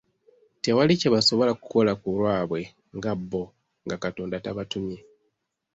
Tewali kye basobola kukola ku lwabwe nga bbo nga Katonda tabatumye